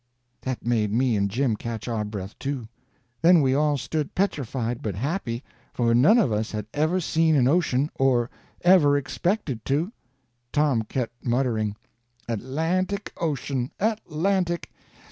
That made me and Jim catch our breath, too. Then we all stood petrified but happy, for none of us had ever seen an ocean, or ever expected to. Tom kept muttering: "Atlantic Ocean—Atlantic.